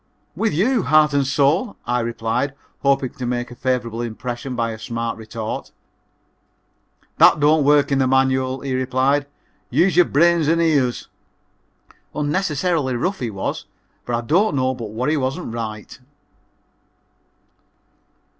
"With you, heart and soul," I replied, hoping to make a favorable impression by a smart retort. "That don't work in the manual," he replied; "use your brain and ears." Unnecessarily rough he was, but I don't know but what he wasn't right.